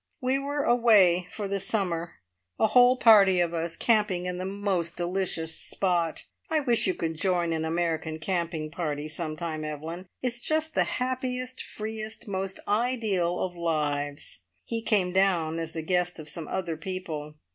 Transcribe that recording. We were away for the summer a whole party of us camping in the most delicious spot. I wish you could join an American camping party some time, Evelyn. It's just the happiest, freest, most ideal of lives! He came down as the guest of some other people.